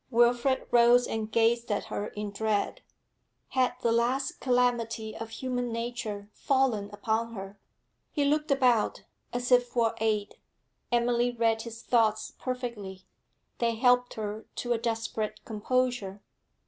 Wilfrid rose and gazed at her in dread. Had the last calamity of human nature fallen upon her? He looked about, as if for aid. Emily read his thoughts perfectly; they helped her to a desperate composure.